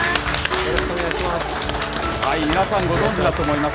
よろしくお願いします。